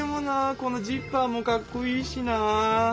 このジッパーもかっこいいしな。